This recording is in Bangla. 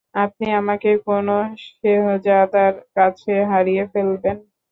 আপনি আমাকে কোনো শেহজাদার কাছে হারিয়ে ফেলবেন?